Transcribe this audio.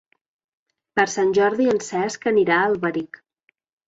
Per Sant Jordi en Cesc anirà a Alberic.